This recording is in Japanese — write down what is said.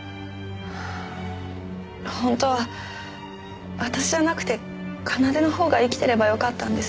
本当は私じゃなくて奏のほうが生きてればよかったんですけど。